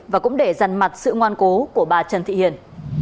và cũng để rằn mặt sự ngoan cố của bà trần thị hiền